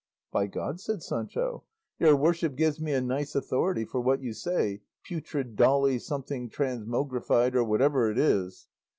"By God," said Sancho, "your worship gives me a nice authority for what you say, putrid Dolly something transmogrified, or whatever it is."